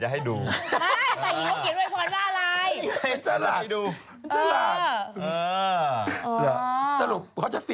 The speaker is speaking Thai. ฝ่ายหญิงเขาเขียนเวยพรว่าอะไร